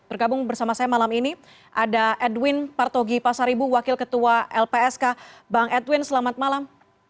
bergabung bersama saya malam ini ada edwin partogi pasaribu wakil ketua lpsk bang edwin selamat malam